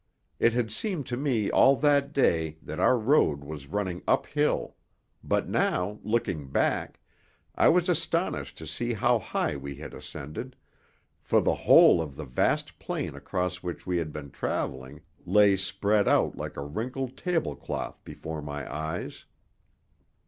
It had seemed to me all that day that our road was running up hill, but now, looking back, I was astonished to see how high we had ascended, for the whole of the vast plain across which we had been travelling lay spread out like a wrinkled table cloth before my eyes.